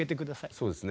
そうですね。